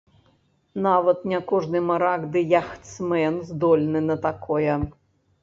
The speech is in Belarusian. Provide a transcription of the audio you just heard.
Нават не кожны марак ды яхтсмэн здольны на такое.